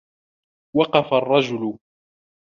وَقَفَ الرَّجُلُ.